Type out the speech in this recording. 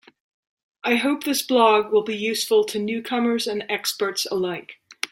I hope this blog will be useful to newcomers and experts alike.